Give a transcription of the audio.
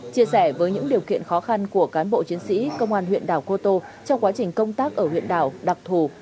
chia sẻ với những điều kiện khó khăn của cán bộ chiến sĩ công an huyện đảo cô tô trong quá trình công tác ở huyện đảo đặc thù